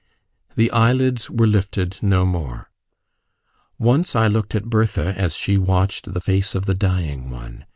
The eyelids were lifted no more. Once I looked at Bertha as she watched the face of the dying one.